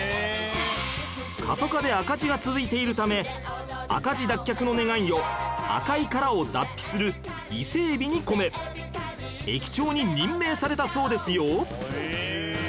過疎化で赤字が続いているため赤字脱却の願いを赤い殻を脱皮する伊勢エビに込め駅長に任命されたそうですよ